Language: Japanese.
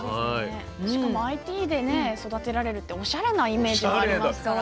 しかもＩＴでね育てられるっておしゃれなイメージありますから。